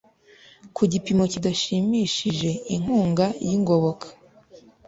ku gipimo kidashimishije Inkunga y ingoboka